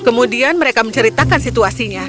kemudian mereka menceritakan situasinya